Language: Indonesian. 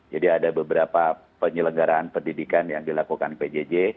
jadi ada beberapa penyelenggaraan pendidikan yang dilakukan pjj